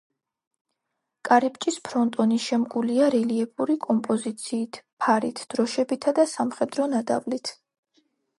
კარიბჭის ფრონტონი შემკულია რელიეფური კომპოზიციით ფარით, დროშებითა და სამხედრო ნადავლით.